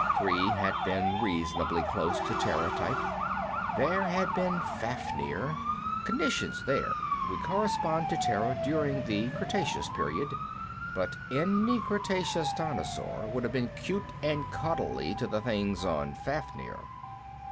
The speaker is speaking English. Three had been reasonably close to Terra type. There had been Fafnir; conditions there would correspond to Terra during the Cretaceous Period, but any Cretaceous dinosaur would have been cute and cuddly to the things on Fafnir.